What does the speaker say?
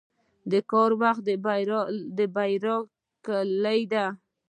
• د کار وخت د بریا کلي ده.